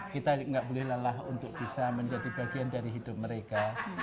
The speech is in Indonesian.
kita tidak boleh lelah untuk bisa menjadi bagian dari hidup mereka